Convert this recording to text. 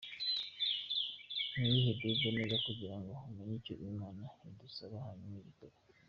Niyige Bible neza kugirango amenye icyo imana idusaba, hanyuma agikore.